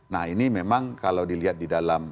nah ini memang kalau dilihat di dalam